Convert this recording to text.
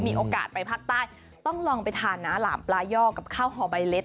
มีโอกาสไปภาคใต้ต้องลองไปทานนะหลามปลาย่อกับข้าวหอใบเล็ด